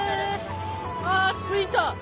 あ着いた。